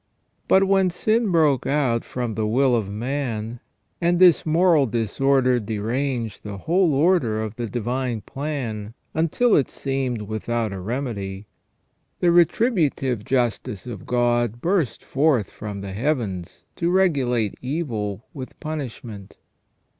But when sin broke out from the will of man, and this moral disorder deranged the whole order of the divine plan until it seemed without a remedy, the retributive justice of God burst forth from the heavens to regulate evil with punish ment.